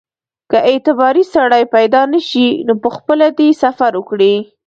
که اعتباري سړی پیدا نه شي نو پخپله دې سفر وکړي.